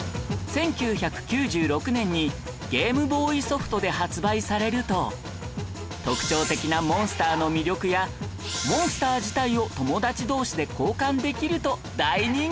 １９９６年にゲームボーイソフトで発売されると特徴的なモンスターの魅力やモンスター自体を友達同士で交換できると大人気に